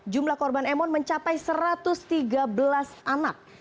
jumlah korban emon mencapai satu ratus tiga belas anak